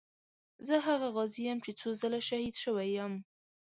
زه هغه غازي یم چې څو ځله شهید شوی یم.